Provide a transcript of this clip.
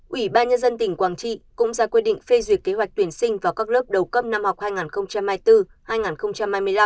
ủy ban nhân dân tỉnh quảng trị cũng ra quy định phê duyệt kế hoạch tuyển sinh vào các lớp đầu cấp năm học hai nghìn hai mươi bốn hai nghìn hai mươi năm